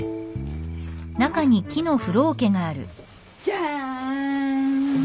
じゃーん！